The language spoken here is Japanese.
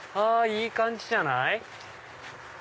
いい感じじゃない？